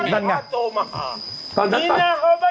โดยได้ครับ